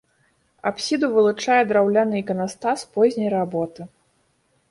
Апсіду вылучае драўляны іканастас позняй работы.